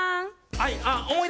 はい。